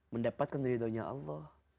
mendapatkan ridhonya allah